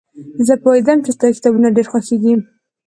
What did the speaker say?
زه پوهېدم چې ستا کتابونه ډېر خوښېږي.